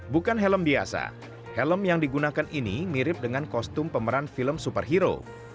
bukan helm biasa helm yang digunakan ini mirip dengan kostum pemeran film superhero